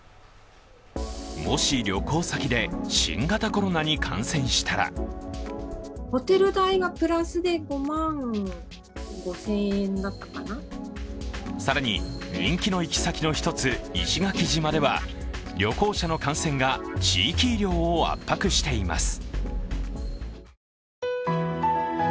もし旅行先で新型コロナに感染したら更に、人気の行き先の１つ、石垣島では旅行者の感染が地域医療を圧迫しています。